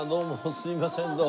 すみませんどうも。